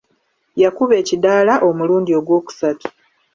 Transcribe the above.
Yakuba ekidaala omulundi ogw'okusatu.